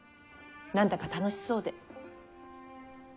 何だか楽しそうで。